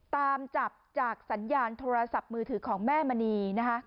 ตามจับจากสัญญาณโทรศัพท์มือถือของแม่มณีนะคะ